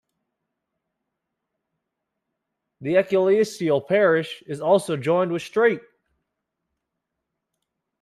The ecclesiastical parish is also joined with Streat.